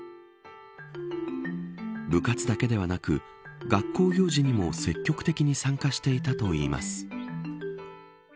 部活だけではなく学校行事にも積極的に参加していたといいます。